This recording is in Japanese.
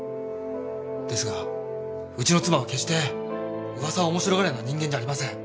ですがうちの妻は決して噂を面白がるような人間じゃありません。